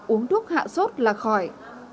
uống thuốc hạ sốt là khỏi